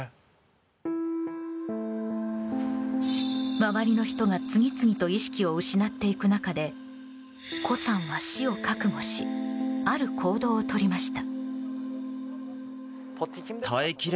周りの人が次々と意識を失っていく中でコさんは死を覚悟しある行動をとりました。